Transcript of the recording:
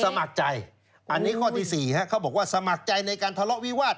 สมัครใจอันนี้ข้อที่๔เขาบอกว่าสมัครใจในการทะเลาะวิวาส